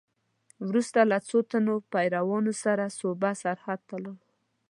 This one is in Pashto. وروسته له څو تنو پیروانو سره صوبه سرحد ته ولاړ.